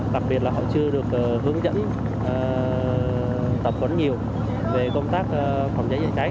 đặc biệt là họ chưa được hướng dẫn